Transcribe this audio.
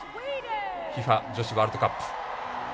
ＦＩＦＡ女子ワールドカップ。